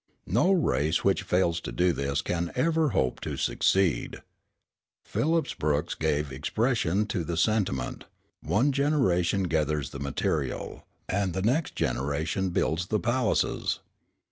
No race which fails to do this can ever hope to succeed. Phillips Brooks gave expression to the sentiment: "One generation gathers the material, and the next generation builds the palaces."